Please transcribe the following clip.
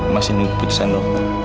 masih menunggu keputusan lo